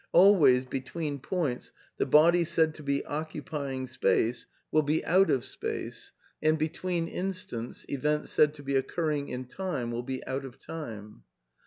Always, between points, the body said to be occupying space will be out of \ 166 A DEFENCE OF IDEALISM space^ and, between instants, events said to be occurring in time will be out of time.